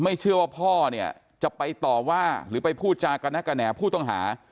เชื่อว่าพ่อเนี่ยจะไปต่อว่าหรือไปพูดจากันกระแหน่ผู้ต้องหา